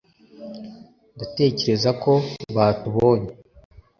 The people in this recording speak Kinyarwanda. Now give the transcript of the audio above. ndatekereza ko batubonye